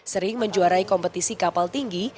sering menjuarai kompetisi kapal tinggi